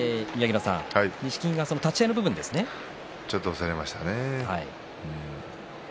ちょっと押されましたね。